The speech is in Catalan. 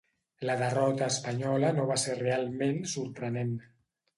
La derrota espanyola no va ser realment sorprenent.